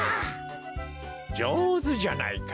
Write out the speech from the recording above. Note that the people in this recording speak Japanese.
じょうずじゃないか。